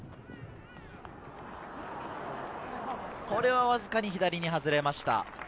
これはわずかに左に外れました。